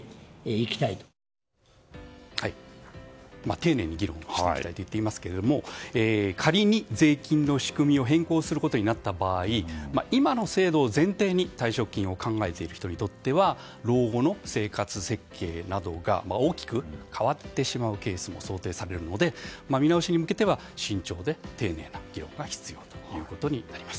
丁寧に議論をしていきたいと言っていますけど仮に、税金の仕組みを変更することになった場合今の制度を前提に退職金を考えている人にとっては老後の生活設計などが大きく変わってしまうケースも想定されるので見直しに向けては慎重で丁寧な議論が必要ということになります。